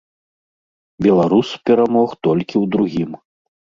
Беларус перамог толькі ў другім.